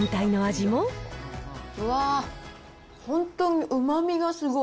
わー、本当にうまみがすごい。